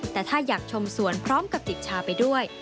แต่ถ้าอยากชมสวนพร้อมกับติดชาไปด้วย